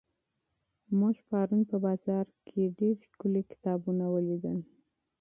موږ پرون په بازار کې ډېر ښکلي کتابونه ولیدل.